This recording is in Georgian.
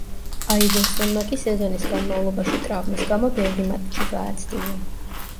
აივერსონმა კი სეზონის განმავლობაში ტრავმის გამო ბევრი მატჩი გააცდინა.